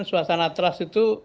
suasana trust itu